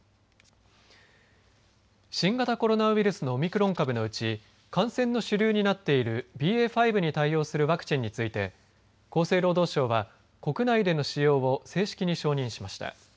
新型コロナウイルスのオミクロン株のうち感染の主流になっているＢＡ．５に対応するワクチンについて厚生労働省は国内での使用を正式に承認しました。